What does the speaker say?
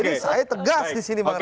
jadi saya tegas disini bang ray